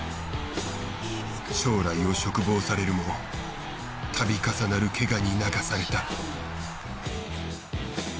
将来を嘱望されるもたび重なるケガに泣かされた。